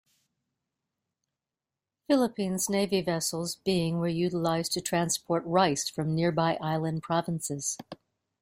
Philippines navy vessels being were utilized to transport rice from nearby island provinces.